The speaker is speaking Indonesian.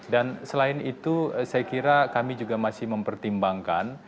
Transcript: selain itu saya kira kami juga masih mempertimbangkan